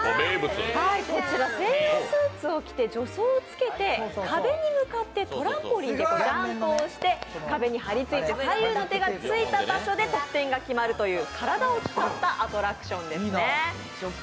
こちら、専用スーツを着て助走をつけて壁に向かってトランポリンでジャンプをして、壁に張り付いて左右の手がついた場所で得点が決まるという体を使ったアトラクションですね。